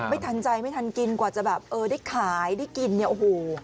ไม่ทันใจไม่ทันกินกว่าจะแบบเออได้ขายได้กินเนี่ยโอ้โห